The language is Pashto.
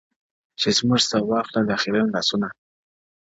چي زموږ څه واخله دا خيرن لاســـــونه;